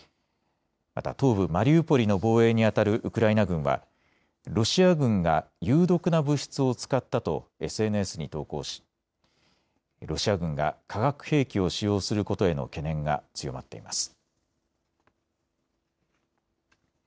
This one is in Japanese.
また東部マリウポリの防衛にあたるウクライナ軍はロシア軍が有毒な物質を使ったとＳＮＳに投稿しロシア軍が化学兵器を使用することへの懸念が強まっています。